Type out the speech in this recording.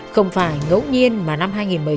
không phải ngẫu nhiên mà năm hai nghìn một mươi bảy